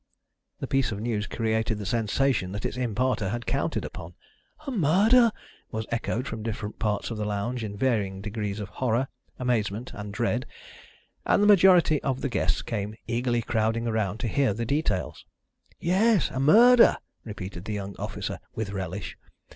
The piece of news created the sensation that its imparter had counted upon. "A murder!" was echoed from different parts of the lounge in varying degrees of horror, amazement and dread, and the majority of the guests came eagerly crowding round to hear the details. "Yes, a murder!" repeated the young officer, with relish.